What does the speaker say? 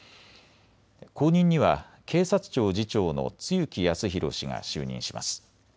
後任には警察庁次長の露木康浩氏が就任します。